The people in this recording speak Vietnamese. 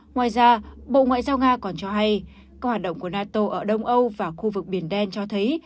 ngoài ra bộ ngoại giao nga còn cho hay các hoạt động của nato ở đông âu và khu vực biển đen cho thấy